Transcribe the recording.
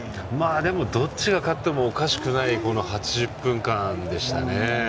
でも、どっちが勝ってもおかしくない８０分間でしたね。